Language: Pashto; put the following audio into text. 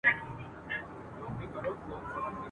له شهیده څه خبر دي پر دنیا جنتیان سوي !.